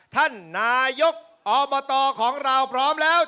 ท่านนายกอบตของเราพร้อมแล้ว